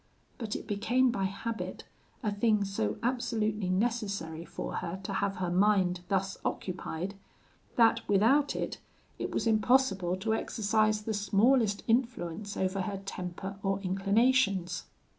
But it became by habit a thing so absolutely necessary for her to have her mind thus occupied, that, without it, it was impossible to exercise the smallest influence over her temper or inclinations.